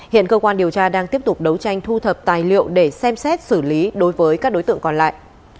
hiện cơ quan điều tra đang tiếp tục đấu tranh thu thập tài liệu để xem xét xử lý đối với các đối tượng còn lại